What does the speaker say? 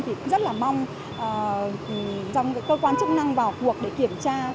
thì rất là mong trong cơ quan chức năng vào cuộc để kiểm tra